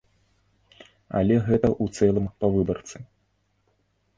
Але гэта ў цэлым па выбарцы.